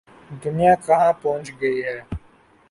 دنیا کہاں پہنچ گئی ہے۔